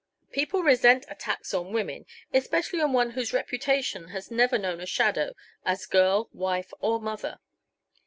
People resent attacks on women, especially, on one whose reputation has never known a shadow, as girl, wife, or mother."